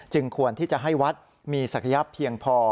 ควรที่จะให้วัดมีศักยะเพียงพอ